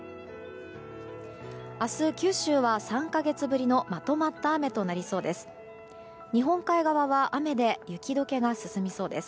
明日、九州は３か月ぶりのまとまった雨となりそうです。